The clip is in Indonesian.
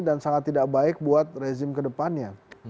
dan sangat tidak baik buat rezim kedepannya